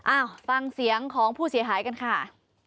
อ้าวฟังเสียงของผู้เสียหายกันค่ะ